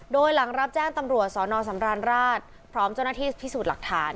โดยหลังรับแจ้งตำรวจสนสำราญราชพร้อมเจ้าหน้าที่พิสูจน์หลักฐาน